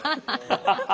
ハハハハ！